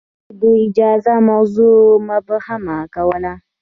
هغوی د اجازه موضوع مبهمه کوله.